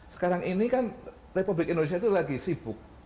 sekarang ini kan republik indonesia itu lagi sibuk